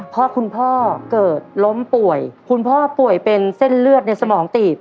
เพราะคุณพ่อเกิดล้มป่วยคุณพ่อป่วยเป็นเส้นเลือดในสมองตีบ